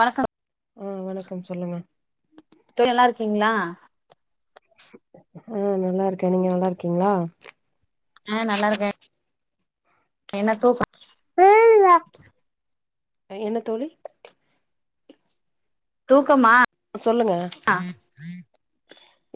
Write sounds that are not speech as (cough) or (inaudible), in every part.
வணக்கம் ம் வணக்கம் சொல்லுங்க தோழி நால்லா இருக்கீங்களா ம் நல்லாருக்கே நீங்க நல்லாருக்கிங்ளா ஆ நல்லாருக்கே என்ன தூக் என்ன தோழி தூ சொல்லுங்க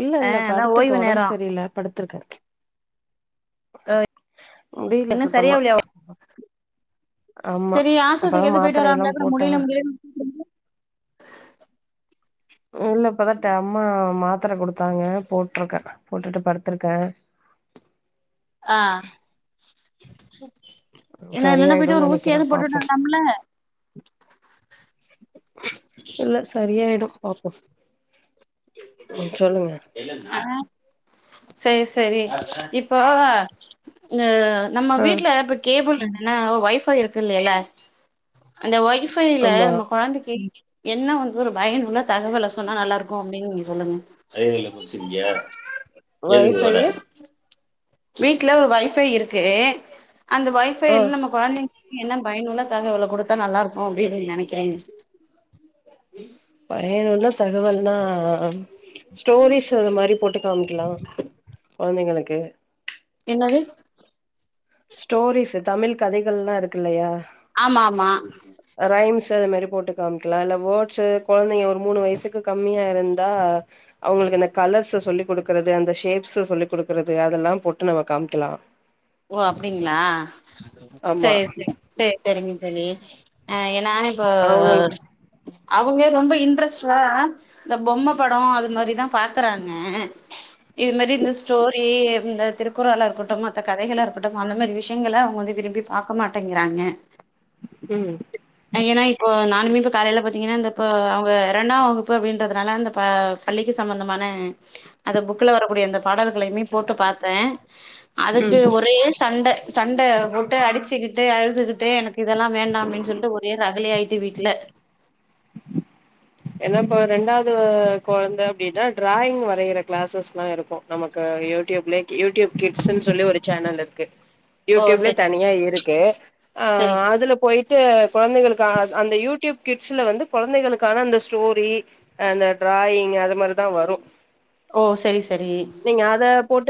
இல்ல ஆ இல்ல அதா படுத்திருக்க ஓய்வு ஒடம்பு நேரோ செரியில்ல படுத்துருக்க முடில சுத்தமா ஆமா செரி அப்பதா ஆஸ்வத்திரிக்காச்சோ போயிட்டு மாத்திரை வராம்ள எல்லா பின்ன போட்டே முடில முடிலனு (inaudible) ம் இல்ல இப்பதாத் தம்மா மாத்தர குடுத்தாங்க போட்ருக்க போட்ருக்க படுத்திருக்க ஆ இல்ல இல்லன்னா போயிட்டு சரியாயிடும்னு ஒரு நெனைக்கிறே ஊசியாது போட்டுட்டு பாப்போ வர்லாம்ல்ல இல்ல செரியாயிடோ பாப்போ ம் சொல்லுங்க ஆ செரி செரி இப்போ ஆ த நம்ம ஆ வீட்ல இப்ப கேபுள்ளு ன்னா ஒ ஒய்ஃபை இருக்கு இல்லைலே அந்த ஒய் ஃபைல ஆமா நம்ம கொழந்த (inaudible) என்னா ஒன்னு ஒரு பயனுள்ள தகவல சொன்னா நல்லாருக் கோ அப்டின் நீங்க சொல்லுங்க ஹைவேல குடிச்சிர்க்கியா ஏது (unintelligible) வைஃபையு வீட்ல ஒரு வைஃபை இருக்கு அந்த வைஃபைல் ஆ நம்ம கொழந்தைங் என்ன பைனுள்ள தகவள குடு த நல்லாருக்கோ அப்டின் நெனக்கிறேன் தகவல்னாம் ஸ்டோரிஸ் அந்த மாரி போட்டு காமிக்கிலா கொழந்தைங்குளுக்கு என்னாது ஸ்டோரிஸ்சு தமிழ் கதைகள்லா இருக்கு இல்லையா ஆமா ஆமா த அத மாரி போட்டு காம்க்கிலா இல்ல வோர்ட்ஸ்சு கொழந்தைங்க ஒரு மூணு வயசுக்கு கம்மியா இருந்தா அவுங்குளுக்கு இந்த கலர்ஸ்ச சொல்லி குடுக்கறது அந்த ஷேப்ஸ்ச சொல்லி குடுக்கறது அதெல்லாம் போட்டு நம்ம காம்க்கிலா ஓ அப்டிங்ளா ஆமா சேரி செர் செரிங்க செரி ஆ எ நானே இப்போ அவங்களுக்கு அவுங்கே ரொம்ப இன்ட்ரெஸ்ட்றா ந்த பொம்ம படோ அது மாரிதா பாக்கறாங்க ஆ இது மெரி இந்த ஸ்டோரி எந்த திருக்குறளா இருகட்டுமா மத்த கதைகளா இருக்கட்டும் அந்த மாரி விஷயங்கள அவுங்க வந்து விரும்பி பாக்க மாட்டேங்கிறாங்க ம் ஏன்னா இப்போ ரெண்டாம் வகுப்பு அப்டின்றதுனால அந்த பா பள்ளிக்கு சம்மந்தமான அத புக்கல வரக்கூடிய இந்த பாடல் களையுமே போட்டு பாத்தே ம் அதுக்கு ஒரே சண்ட சண்ட போட்டு அடிச்சுகிச் தே அழுதுகிட்டே எனக்கு இதெல்லா வேண்டாம் அப்டின் சொல்ட்டு தே ரகலே ஆயிட்டு வீட்ல என்ன ப்ப ரெண்டாவுது கொழந்த அப்டினா டிராயிங் வரையிற கிளாசஸ்லா‌ இருக்கோ நமக்கு யூடியூப்லே யூடியூப் கிட்ஸ்னு சொல்லி ஒரு சேனல் இர்க்கு ஓ யூடியூப்லே சரி தனியா இரு கே ஆ சரி சரி அதுல போயிட்டு கொழந்தைளுக்கு ஆ அந்த யூட்யூப் கிட்ஸ்ல வந்து கொழந்தைளுக்கான அந்தஸ் ஸ்டோரி அ அந்த டிராயிங் அத மாரிதா வரு ஓ செரி செரி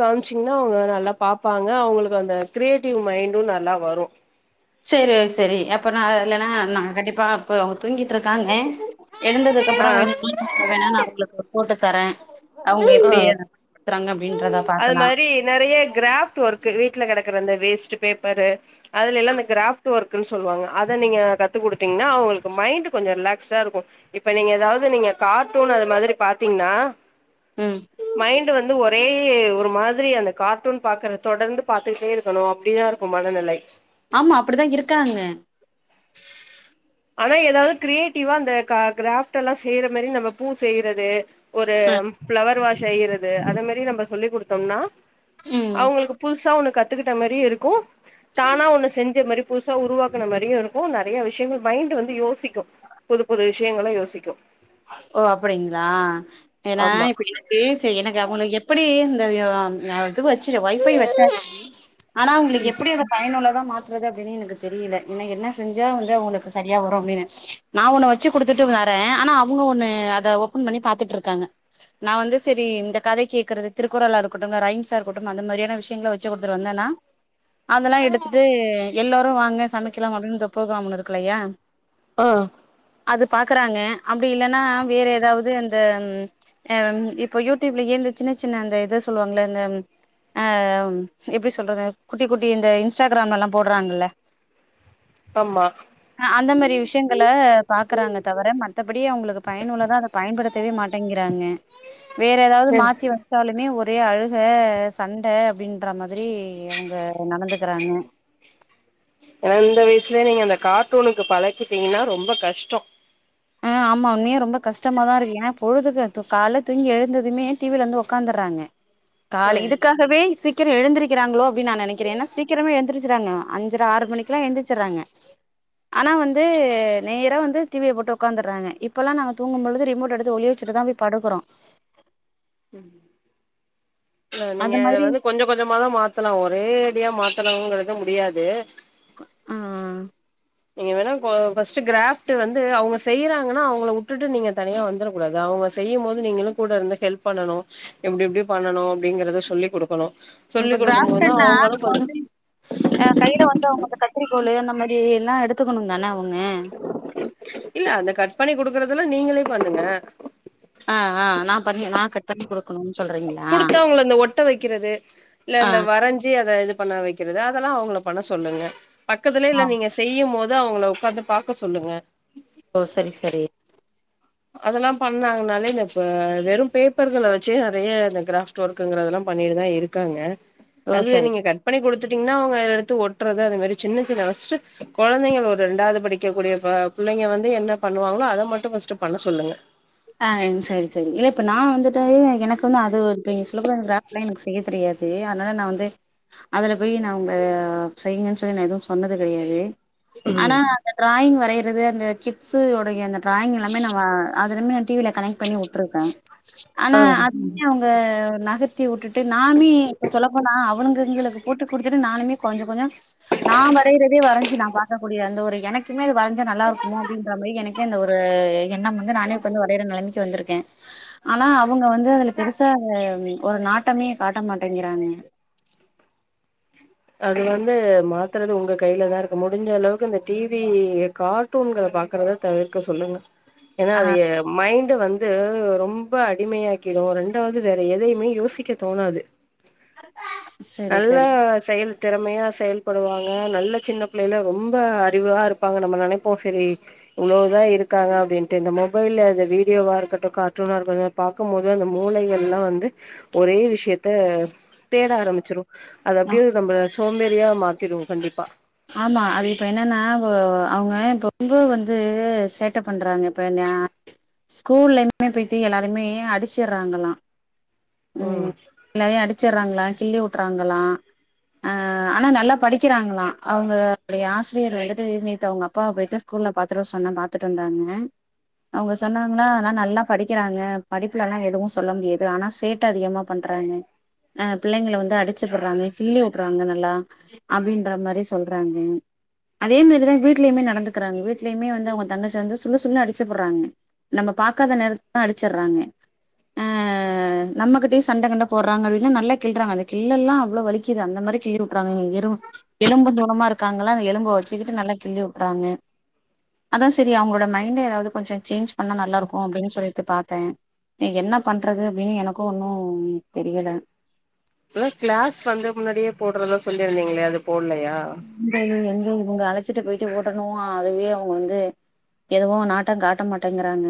காமிச்சீங்னா அவுங்க நல்லா பாப்பாங்க அவுங்களுக்கு அந்த க்ரியேட்டிவ் மைண்டு நல்லா வரு சரி சரி அப்ப நா இல்லன்னா நா கண்டிப்பா இப்ப அவுங்க தூங்கிட்ருக்காங்க எழுந்ததுக்கப்பறொ ஆ வேணுன்னா அத வேணா நா அவுங்களுக்கு போட்டுக் தர அவுங்க எப்டி எ றாங்க அப்டின் அத மாரி நறைய க்ராஃப்ட்டு ஒர்க்கு வீட்ல கடக்குற அந்த வேஸ்ட்டு பேப் பரு அதுலேல்லா ஆ அந்த க்ராஃப்ட்டு ஒர்க் குன் சொல்லுவாங்க அத நீங்க கத்துக் குடுத்தீங்னா அவுங்களுக்கு மைண்டு கொஞ்சொ ரிலாக்ஸ்டா இருக்கு இப்ப நீங்க ஏதாவ்து நீங்க கார்ட்டூன் அது மாதிரி பாத்தீங்னா ம் மைன் டு வந்து ஒரே ஏ ஒரு மாதிரி அந்த கார்ட்டூன் பாக்குற தொடர்ந்து பாத்துக்குட்டே இருக்கணு அப்டிதா இருக்கு மனநிலை ஆமா அப்டிதா இருக்காங்க ஆனா ஏதாவ்து க்ரியேட்டிவ்வா அந்த கா க்ராஃப்ட்டெல்லா செய்ற மேரி நம்ம பூ செய்றது ஒரு அ ஃப்ளவர் வாஷ் செய்யிறது அத மாரி நம்ம சொல்லிக் குடுத்தோம்னா ம் அவுங்களுக்கு புதுசா ஒன்னு கத் துக்குட்ட மாரியு இருக்கு தானா ஒன்னு செஞ்ச மேரி புதுசா உருவாக்குன மாரியு இருக்கு நறைய விஷயங்கள் மைண்டு வந்து யோசிக்கு புதுப் புது விஷயங்கள யோசிக்கு ஓ அப்டிங்ளா ஏன்னா ஆமா இப்ப எனக்கு செ எனக்கு அவ்ங்கள எப்படி (unintelligible) டு வச்சிடு வைஃபை வச்சாச்சி ஆனா அவ்ங்களுக்கு ம் எப்டி அத பயனுள்ள தா மாத்துறது அப்டினு எனக்கு தெரியில இன்ன என்ன செஞ்சா வந்து அவுங்களுக்கு சரியா வரு அப்டினு நா ஒன்னு வச்சுக் குடுத்துட்டு வரே ஆனா அவ் ங்க ஒண்ணு அத ஓப்பன் பண்ணி பாத்துட்ருக்காங்க நா வந்து செரி இந்தக் கதை கேக்குறதுக் திருக்குறளா இருக்கட்டும் இந்த ரைம்ஸா இருக்கட்டு அந்த மாரியான விஷ் யங்கள வச்சு குடுத்துட்டு வந்தேன்னா அதெல்லா எடுத்துட்டு எல்லோரு வாங்க சமைக்கிலாம் அப்டின்னு இந்த ப்ரோக்ராம் ஒண்ணு இருக்குல்லையா ஆ அது பாக்குறாங்க அப்டி இல்லன் நா வேற ஏதாவது அந்த அம் இப்ப யூடியூப்லே இந்த சின்ன சின்ன அந்த இத சொல்லுவாங்கள்ல இந்த அ எப்டி சொல்றது குட்டி குட்டி இந்த இன்ஸ்டாகிராமெல்லாம் போடுறாங்கல்ல ஆமா அ அந்த மாரி விஷயங்களே பாக்குறாங்களே தவிர ம மத்தபடி அவங்களுக்கு பயனுள்ளதான் அத பயன்படு த்தவே மாட்டேங்கிறாங்க வேற ஏதாவது ம் மாத்தி வைச்சாலுமே ஒரு நிறைய அழுகை சண்டை அப்படின்ற மாதிரி அவங்க நடந்துக்கறாங்க ஏனா இந்த வயசுலயே நீங்க அந்த கார்ட்டூனுக்கு பழக்கிட்டீங்கன்னா ரொம்ப கஷ்டம் அ ஆமா உண்மையே ரொம்ப கஷ்டமா தான் இருக்கு ஏனா பொழுதுக்கு து காலே தூங்கி எழுந்ததுமே டிவில இருந்து உக்காந்துறாங்க காலை ம் இதுக்காகவே சிக் க்கிர எழுந்திருக்கிறாங்களோ அப்டினு நா நினைக்கிறே ஏனா சீக்கிரமா எழுந்திருச்சிராங்க அஞ்சற ஆறு மணிக்கல்லா எந்திருச்சராங்க ஆனா வந்து நேரா வந்து டிவிய போட்டு உக்காந்துடுறாங்க இப்பெல்லாம் நாங்க தூங்கும்பொழுது ரிமோட் எடுத்து ஒளியவச்சிட்டுதான் போய் படுக்கறோ ம் இப்ப நீங்க அந்த இத மாதிரி வந்து கொஞ்சொ கொஞ்சமா தான் மாத்தலாம் ஒரேடியா மா த்தனுங்கறத முடியாது ஆ நீங்க வேணா கொ ஃபர்ஸ்ட்டு கிராஃப்ட் வந்து அவங்க செய்யறாங்கன்னா அவங்கள வுட்டுட்டு நீங்க தனியா வந்துட கூடாது அவுங்க செய்யும் போது நீங்களும் கூட இருந்து ஹெல்ப் பண்ணணும் எப்டி எப்டி பண்ணணும் அப்படிங்கறத சொல்லி கொடுக்கணும் இப்ப கிராஃப்ட்டுனாஞ நம்ம வந்து அ கையில வந்து அவுங்க க த்திரிக்கோலு அந்த மாதிரி எல்லா எடுத்துக்கணும் தான போனு இல்ல அந்த கட் பண்ணி குடுக்கறதுல நீங்களே பண்ணுங்க ஆ ஆ நா பண்ணி நா கட் பண்ணி கொடுக்கணும் குடுத்தா அவுங்கள அந்த ஒட்ட வைக்கிறது இல்ல ஆ இந்த வரைஞ்சி அத இது பண்ண வைக்கிறது அதெல்லா அவுங்கள பண்ண சொல்லுங்க பக்கத்துலே ஆ இல்ல நீங்க செய்யு போது வந்து அவங்கள உக்காந்து பாக்க சொல்லுங்க ஓ சரி சரி அதெல்லாம் பண்ணாங்கனால இந்த இப்ப வெறும் பேப்பர்கள வச்சே நிறைய இந்த கிராப்ட் ஒர்க்குங்கிறதெல்லா பண்ணிட்டுதா இருக்காங்க ஓ அது சரி நீங்க கட் பண்ணி கொடுத்துட்டீங்கன்னா அவுங்க எடுத்து ஒட்டுறது அந்த மாதிரி சின்னசின்ன குழந்தை ஒரு ரெண்டாவது படிக்கக்கூடிய ப பிள்ளைங்க வந்து என்ன பண்ணுவாங்களோ அத மட்டு ஃபர்ஸ்ட் பண்ண சொல்லுங்க (unintelligible) எனக் இப் என்ன அது இப்ப நீங்க சொல்ல போற கிராஃப் எனக்கு செய்ய தெரியா து அதனால நா வந்து அதுல போய் நா உங்க செய்ங்கன்னு சொல்லி நா எதுவு சொன்னது கிடையாது ஆனா ம் அந்த டிராயிங் வ ரையறது அந்த கிட்ஸு ஒடைய அந்த டிராயிங் எல்லாமே நம்ம அதுலமே ல கனெக்ட் பண்ணி உட்ருக்க ஆனா ஆ அதுலயு அவங்க நகத்தி உட்டுட் நாமி இப்ப சொல்ல போனா அவனுங்க இவுங்களுக்கு போட்டு குடுத்துட்டு நானுமே கொஞ்ச கொஞ்ச நா வரையிறதே வரைஞ்சு நா பாக்ககூடிய அந்த ஒரு எனக்கே இது மாரி வரைஞ்சா நல்லாருக்குமோ அப்டின்ற மாரி எனக்கே அந்த ஒரு எண்ணம் வந்து நானே இப்ப வந்து வரையற நெலைமைக்கு வந்திருக்க ஆனா அவுங்க வந்து அதுல பெருசா ஒரு நாட்டமே காட்ட மாட்டேங்கிறானுக அது வந்து மாத்துறது உங்க கைலதா இருக்கு முடிஞ்ச அளவுக்கு இந்த டி வி கார்ட்டூன்கள பாக்கறத தவிர்க்க சொல்லுங்க ஏன்னா ஆ அது எ மைண்ட் வந்து ரொம் ரொம்ப அடிமையாக்கிடும் ரெண்டாவது வேற எதையுமே யோசிக்க தோணாது சரி நல்லா சரி செயல் திறமையா செயல் படுவாங்க நல்லா சின்ன பிள்ளைல ரொம்ப அறிவா இருப்பாங்க நம்ம நெனைப்போ செரி இவ்வளவுதா இருக்காங்க அப்டின்ட்டு இந்த மொபைல்ல அ வீடியோவா இருக்கட்டு கார்டூனா இருக்கட்டு பாக்கும்போது அந்த மூளை எல்லா வந்து ஒரே விஷயத்த தேட ஆரம்ப சிரு அது ஆ அப்டியே நம்ம சோம்பேறியா மாத்திடு கண்டிப்பா ஆமா அது இப்ப என்னன்னா வு அவுங்க இப்ப ரொம்ப வந்து சேட்டை பண்றாங்க இப்ப நா ஸ்கூல்லயுமே போயிட்டு எல்லாருமே அடிச்சடுறாங்கல்லா ஓ ச்சர்றாங்களா கிள்ளி வுட்டுறாங்களா ஆ ஆனா நல்லா படிக்கிறாங்களா அவுங்க ஒடைய ஆசிரியர் வந்துட்டு நேத்து அவுங்க அப்பா போயிட்டு ஸ்கூல பாத்துட்டு வர சொன்ன பாத்துட்டு வந்தாங்க அவுங்க சொன்னாங்களா நா நல்லா படிக்கிறாங்க படிப்புல லா எதுவு சொல்ல முடியாது ஆனா சேட்ட அதிகமா பண்றாங்க அ பிள்ளைங்கள வந்து அடிச்சுப்புடுறாங்க கிள்ளி வுடுறாங்க நல்லா அப்டின்ற மாரி சொல்றங்க அதே மாரிதா வீட்லயுமே நடந்துக்கிறாங்க வீட்டுலயுமே வந்து அவுங்க தங்கச்சி வந்து சுல்லு சுல்லுனு அடிச்சபுடுறாங்க நம்ம பாக்காத நேரத்தல அடிச்சிடுறாங்க ஆ நம்மகிட்டயு சண்ட கிண்ட போடுறாங்கல நல்ல கிள்ளிறாங்க அந்த கிள்ளல்லா அவ்ளோ வலிக்குது அந்த மாரி கிள்ளிவுற்றாங்க வெறு எலும்பு தோல் ம்மா இருக்காங்கல்ல அந்த எலும்ப வச்சுக்கிட்டு நல்லா கிள்ளி வுட்டுறாங்க அதான் செரி அவுங்களோட மைண்ட் ஏதாவது கொஞ்சம் சேஞ்ச் பண்ணா நல்லா இருக்கும் அப்பிடின்னு சொல்லிட்டு பாத்தேன் நீ என்ன பண்றது அப்பிடின்னு எனக்கும் ஒன்னும் தெரியல இப்ப தா கிளாஸ் வந்து முன்னாடியே போடுறதா சொல்லிருந்தீங்களே அது போட்லையா ம் எங்க உங்க அழைச்சிட்டு போய் ட்டு ஓடணு அதுவே அவுங்க வந்து எதுவோ நாட்டோ காட்ட மாட்டேங்கிறாங்க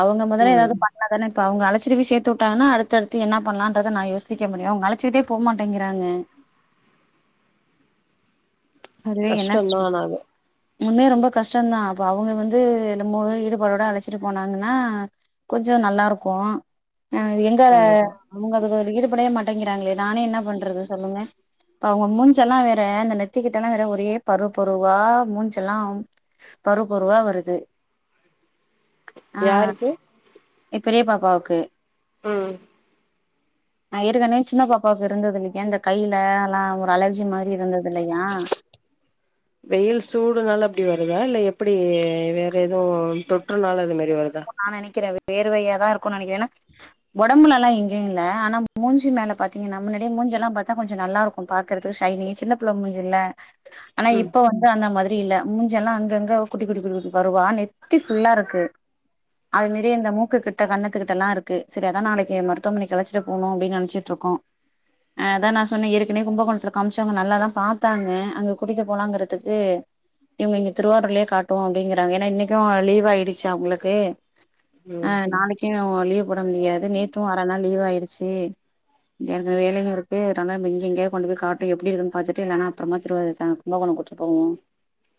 அவுங்க மொதல்ல ம் ஏதாவது பண்ணதானே இப்ப அவுங்க அழைச்சிட்டு போய் சேத்து விட்டாங்கன்னா அடுத்தடுத்து என்ன பண்ணலான்றத நா யோசிக்க முடியு அவுங்க அழைச்சிட்டே போ மாட்டேங்கிறாங்க கஷ்டம்தா ஆனாலு உண்மையா ரொம்ப கஷ்டதா அது அவங்க வந்து (unintelligible) ஈடுபாடோட அழைச்சிட்டு போனாங்கன்னா கொஞ்ச நல்லாருக்கு இ எங்க அவன் கண்டிப்பா அவுங்க அதுல ஈடுபடவே மாட்டங் ங்கிறாங்களே நானு என்ன பண்றது சொல்லுங்க அவுங்க மூஞ்செல்லா வேற அந்த நெத் நெத்திக்கிட்டல்லா வேற ஒரே பருவப்பருவா மூஞ்செல்லா பருவப்பருவா வருது யாருக்கு எ பெரிய பாப்பாவுக்கு ம் நா ஏற்கனவே சின்ன பாப்பாவுக்கு இருந்தது கேன் இந்த கைல லா ஒரு அலர்ஜி மாரி இருந்தது இல்லையா வெயில் சூடுனால அப்டி வருதா இல்ல அப்டி வேற எதுவு தொற்றுனால அது மே ஓ நா நெனக்கிற வேர்வையாதா இருக்குன் நெனக்கிற ஏன்னா ஒடம்புலல்லா எங்கியு இல்ல ஆனா மூஞ்சி மேல பாத்தீங்கன்னா முன்னாடி மூஞ்செல்லா பாத்தா கொஞ்சொ நல்லாருக்கு பாக்கறதுக்கு ஷைனி சின்னப் புள்ள மூஞ்சில்ல ஆனா ம் இப்ப வந்து அந்த மாதிரி ரி இல்ல முஞ்செல்லா அங்கங்க குட்டி குட்டி குட்டி ட்டிட்டி பருவா நெத்தி ஃபுல்லாருக்கு அது மேரி இந்த மூக்குக்கிட்ட கண்ணத்துக்கிட்டல்லா இருக்கு செரி அதா நாளக்கி மருத்துவமனக்கி அழச்சிட்டு போனு அப்டின்னு நென்ச்சிட்ருக்கோ அ அதா நா சொன்ன ஏற்கனே கும்பகோணத்துல காமிச்சவங்க நல்லாதா பாத்தாங்க அங்க குடிக்க போலாங்குறதுக்கு இவ்ங்க இங்க திருவாரூர்லயே காட்டுவோ அப்டிங்கிறாங்க ஏன்னா இன்னைக்கு லீவாயிடுச்சி அவுங்களுக் கே ஆ ம் நாளைக்கு லீவ் போட முடியாது நேத்து அர நாள் லீவாயிரு சே எனக்கு எனக்கு ஒரு (unintelligible) நம்ப இங்கெ இங்கயே கொண்டு போய் காட்டு எப்டி இருக்ன் பாத்துட்டு இல்லனா அப்பறமா திருவாரூர் தா கும்பகோணொ கூட்டுட்டு போவோ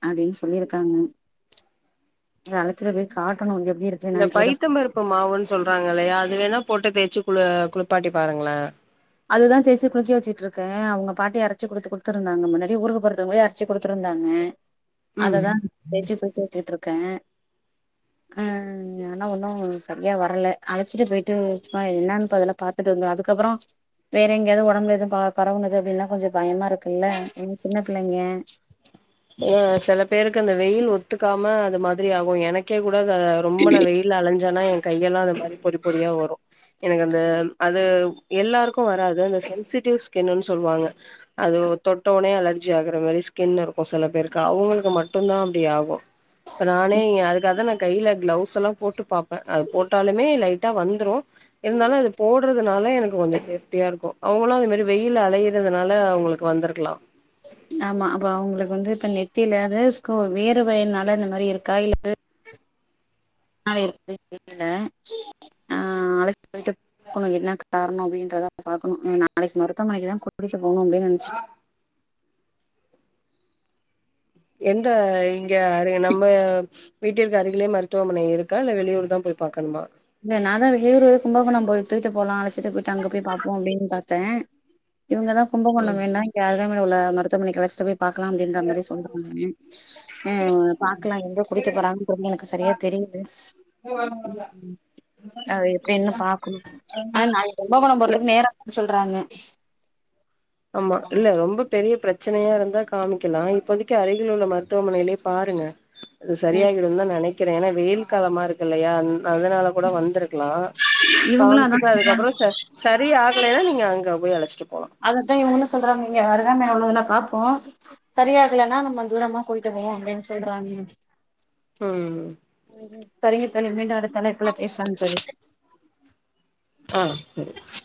அப்டின் சொல்லியிருக்காங்க அத அழச்சிட்டு போய் காட் இந்த பைத்தம்பருப்பு மாவுன் சொல்றாங்கல்லையா அது வேணா போட்டு தேச்சு குள குளிப்பாட்டி பாருங்கள அதுதா தேச்சி குளிக்க வெச்சியிட்ருக்கே அவுங்க பாட்டி அரச்சிக் குடுத்து குடுத்ருந்தாங்க முன்னாடியே ஊருக்கு போறத்காகவே அரச்சி குடுத்துருந்தாங்க ம் அததா தேச்சி குளிச்ச வெச்சியிட்ருக்க ஆ ஆனா ஒன்னு சரியா வரல அழச்சிட்டு போயிட்டு சுமா என்னான் பொதல்ல பாத்துட்டு வந்தா அதுக்கப்பறொ வேற எங்கேயாவ்து ஒடம்பு எதுவு ப பரவுனது அப்டின்னா கொஞ்சொ பயமாருக் குல்ல இ சின்னப் புள்ளைங்க ஆ சில பேருக்கு அந்த வெயில் ஒத்துக்காம அது மாதிரி ஆகு எனக்கே கூ டதா ரொம்ப நா வெயில்ல அலஞ் சன்னா ஏ கையெல்லா அந்த மாரி பொரிப் பொரியா வரு எனக்கு அந்த அது எல்லாருக்கு வராது அந்த சென்சிடிவ் ஸ்கின்னுன் சொல்வாங்க அது தொட்ட ஒன்னே அலர் ஜி ஆகர மாறி ஸ்கின்னு இரு க்கு சில பேருக்கு அவுங்களுக்கு மட்டுந்தா அப்டி ஆகு இப்ப நானே இங்க அதுக்காக்தா நா இங் கைல க்ளவுஸெல்லா போட்டு பாப்ப அது போட்டாலுமே லைட்டா வந்துரு இருந்தாலு அது போட்ற துனால எனக்கு கொஞ்சொ சேஃப்டியா இருக்கு அவுங்களு அது மேரி வெயில்ல அலையிறதுனால அவுங்களுக்கு வந்துருக்லா ஆமா அப்ப அவ்ங்களுக்கு வந்து இப்ப நெத்திலதே ஸ்கூ வேர்வைனால இந்த மாரி இருக்கா இல்ல (inaudible) (inaudible) ஆ அழஷ்ட்டு போயிட்டு (inaudible) என்ன கார்ணொ அப்டின்றதா பாக்கணு ம் நாளக்கி மருத்துவமனக்கிதா கூட்டிட் டு போணு அப்டின் நெனச்சிட் எந்த யாரு நம்ப வீட்டிற்கு அருகிலே மருத்துவமனை இருக்கா இல்ல வெளியூர்தா போய் பாக்கணுமா இல்ல நாந்தா வெளியூரு கும்பகோணம் போய் இத்துட்டு போலா அழச்சிட்டு போயிட்டு அங்க போய் பாப்போ அப்டின் பாத்த இவுங்கதா கும்பகோணொ ம் வேண்டா கேல் ருகாமையிலுள்ள மருத்துவமனைக் அழைச்ட்டு போ பாக்லா அப்டின்ற மாரி சொல்றா (inaudible) ம் உ பாக்லா எங்க கூட்டிட்டு போறாங்கன் (unintelligible) எனக்கு சரியா தெரியிது அ எத எப்டின்னு பாக்குணு ஆ நாளை கும்பகோணம் இல்ல போறதுக்கு நேரா (unintelligible) ல்றாங்க ஆமா இல்ல ரொம்ப பெரிய பிரச்சனையா இருந்தா காமிக்கலா இப்போதைக்கி அருகில் உள்ள மருத்துவமனைலியே பாருங்க அது ம் சரியாயிருன்தா நெனை க்கிறே ஏனா வெயில் காலமா இருக்கில்லையான் அதனால கூட வந்திருக்லா இவங்களு அதா காம்ச்சுட்டு அதுக்கப்றோ ச சரியா ல்லைனா நீங்க அங்க போய் அழைச்ட்டு அதத்தா இவுங்ளு சொல்றாங்க இங்க அருகாமைல உள்ளதுல பாப்போ சரியாகலேன்னா நம்ம தூரமா போயிட்டு போவோ அப்டின் சொல்றாங்க ம் சரிங்க தோழி மீண்டு அடுத்த அழைப்புல பேசலாந் தோழி ஆ செரி ஸ்